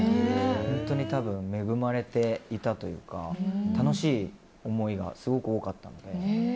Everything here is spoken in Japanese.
本当に多分恵まれていたというか楽しい思いがすごく多かった。